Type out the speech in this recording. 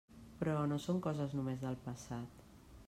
Però no són coses només del passat.